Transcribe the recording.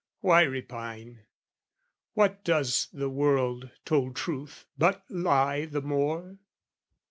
Why repine? What does the world, told truth, but lie the more?